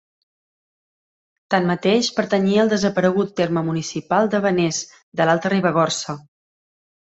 Tanmateix, pertanyia al desaparegut terme municipal de Benés, de l'Alta Ribagorça.